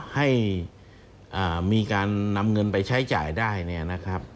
ให้มีการนำเงินไปใช้จ่ายได้เนี่ยนะครับ